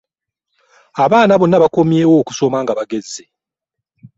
Abaana bonna bakomyeewo okusoma nga bagezze.